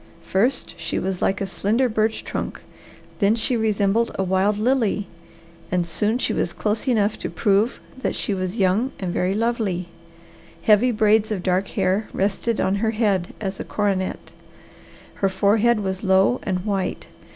First she was like a slender birch trunk, then she resembled a wild lily, and soon she was close enough to prove that she was young and very lovely. Heavy braids of dark hair rested on her head as a coronet. Her forehead was low and white.